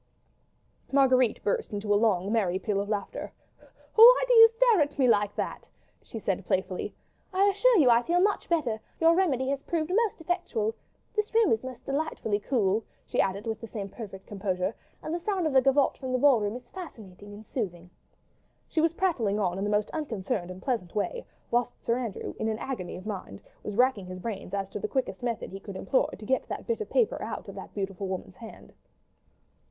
Marguerite burst into a long, merry peal of laughter. "Why do you stare at me like that?" she said playfully. "I assure you I feel much better; your remedy has proved most effectual. This room is most delightfully cool," she added, with the same perfect composure, "and the sound of the gavotte from the ball room is fascinating and soothing." She was prattling on in the most unconcerned and pleasant way, whilst Sir Andrew, in an agony of mind, was racking his brains as to the quickest method he could employ to get that bit of paper out of that beautiful woman's hand.